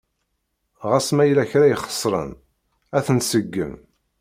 Ɣas ma yella kra i ixeṣren a t-nṣeggem.